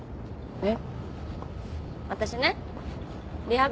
えっ？